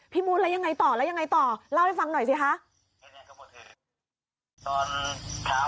พี่มูลแล้วยังไงต่อเล่าให้ฟังหน่อยสิฮะ